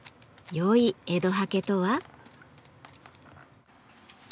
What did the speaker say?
よい江戸刷毛とは？